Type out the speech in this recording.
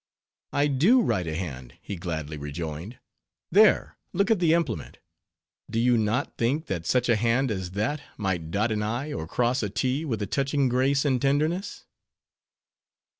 "I do write a hand," he gladly rejoined—"there, look at the implement!—do you not think, that such a hand as that might dot an i, or cross a t, with a touching grace and tenderness?"